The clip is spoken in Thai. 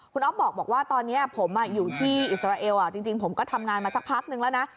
คุณออฟบอกบอกว่าตอนเนี้ยผมอ่ะอยู่ที่อิสราเอลอ่ะจริงจริงผมก็ทำงานมาสักพักหนึ่งแล้วนะ